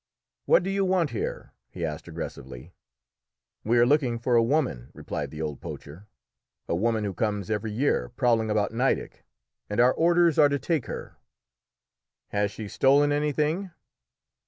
"What do you want here?" he asked aggressively. "We are looking for a woman," replied the old poacher "a woman who comes every year prowling about Nideck, and our orders are to take her." "Has she stolen anything?"